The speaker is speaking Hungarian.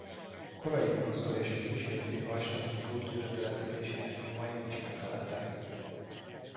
A korai bronzkor és a későbbi hallstatti kultúra településének nyomait is megtalálták itt.